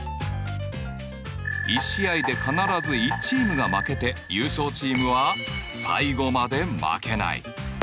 １試合で必ず１チームが負けて優勝チームは最後まで負けない。